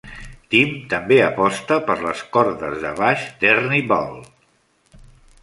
Tim també aposta per les cordes de baix d'Ernie Ball.